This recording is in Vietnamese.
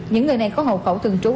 những người này có hậu khẩu thường trú